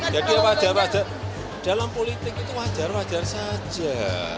wajar wajar dalam politik itu wajar wajar saja